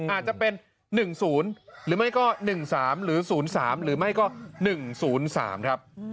อาจจะเป็น๑๐หรือไม่ก็๑๓หรือ๐๓หรือไม่ก็๑๐๓ครับ